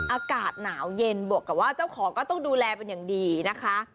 อากาศหนาวเย็นบวกกับว่าเจ้าของก็ต้องดูแลเป็นอย่างดีนะคะ